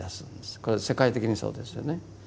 これは世界的にそうですよね。